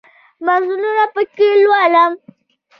مزلونه پکښې لولم